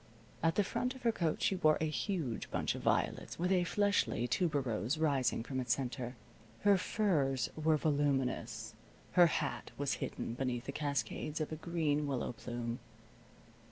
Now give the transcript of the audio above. At the front of her coat she wore a huge bunch of violets, with a fleshly tuberose rising from its center. Her furs were voluminous. Her hat was hidden beneath the cascades of a green willow plume.